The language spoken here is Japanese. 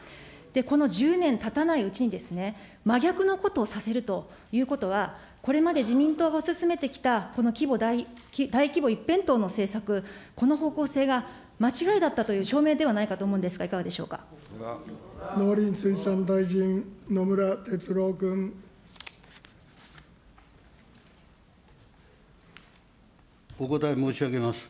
この１０年たたないうちにですね、真逆のことをさせるということは、これまで自民党が進めてきたこの規模、大規模一辺倒の政策、この方向性が間違いだったという証明ではないかと思うんですが、農林水産大臣、野村哲郎君。お答え申し上げます。